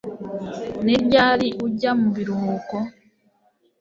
Ni ryari ujya mu biruhuko